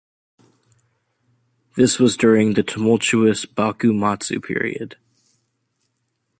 This was during the tumultuous Bakumatsu period.